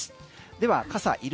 では傘いる？